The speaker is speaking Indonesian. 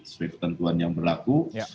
seperti ketentuan yang berlaku